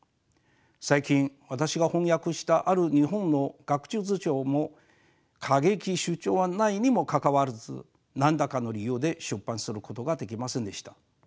最近私が翻訳したある日本の学術書も過激な主張はないにもかかわらず何らかの理由で出版することができませんでした。